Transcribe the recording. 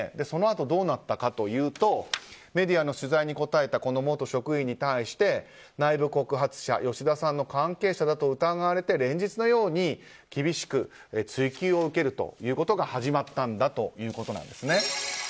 そのあとどうなったのかというとメディアの取材に答えた元職員に対して内部告発者、吉田さんの関係者だと疑われて連日のように厳しく追及を受けるということが始まったんだということなんです。